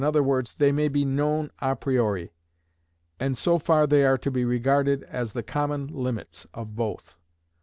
_, they may be known a priori, and so far they are to be regarded as the common limits of both.